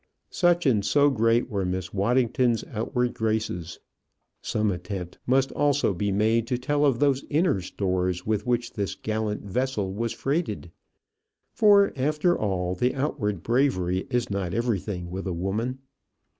Such and so great were Miss Waddington's outward graces. Some attempt must also be made to tell of those inner stores with which this gallant vessel was freighted; for, after all, the outward bravery is not everything with a woman.